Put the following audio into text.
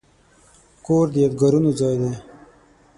کور د یادګارونو ځای دی.